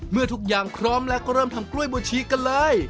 เมื่อทุกอย่างพร้อมแล้วก็เริ่มทำกล้วยบูชิกันเลย